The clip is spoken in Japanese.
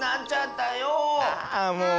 あもう。